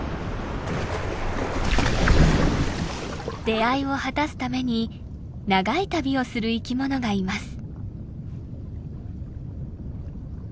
出会いを果たすために長い旅をする生きものがいます。